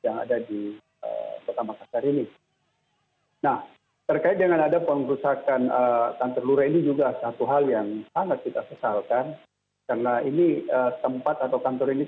nah ini adalah hal yang terkait dengan penanganan covid sembilan belas